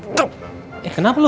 eh kenapa lo